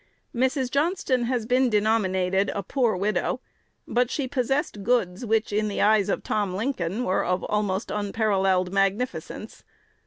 Mrs. Johnston has been denominated a "poor widow;" but she possessed goods, which, in the eyes of Tom Lincoln, were of almost unparalleled magnificence.